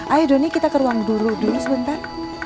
ayo doni kita ke ruang dulu dulu sebentar